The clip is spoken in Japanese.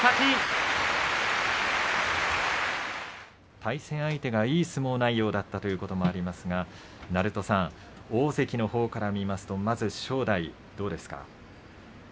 対戦相手がいい相撲内容だったということもありますが鳴戸さん、大関のほうから見ますとまず、正代どうですか。